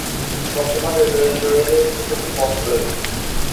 বর্তমানে রেলওয়ে স্টেশনটি বন্ধ রয়েছে।